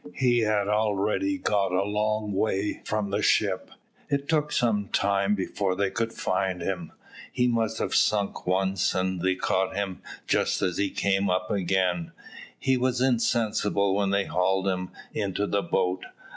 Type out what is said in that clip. He had already got a long way from the ship; it took some time before they could find him. He must have sunk once, and they caught him just as he came up again; he was insensible when they hauled him into the boat.